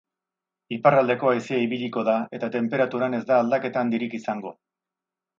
Iparraldeko haizea ibiliko da, eta tenperaturan ez da aldaketa handirik izango.